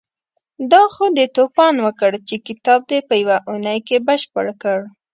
دا خو دې توپان وکړ چې کتاب دې په يوه اونۍ کې بشپړ کړ.